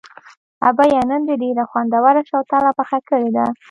ابۍ نن دې ډېره خوندوره شوتله پخه کړې ده.